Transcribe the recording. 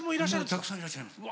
もうたくさんいらっしゃいます。